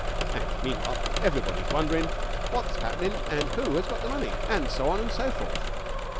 And, meanwhile, everybody's wondering what's happening and who has got the money, and so on and so forth.